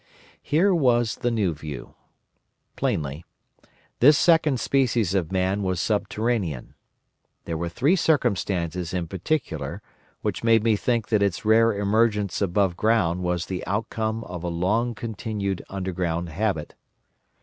"Here was the new view. Plainly, this second species of Man was subterranean. There were three circumstances in particular which made me think that its rare emergence above ground was the outcome of a long continued underground habit.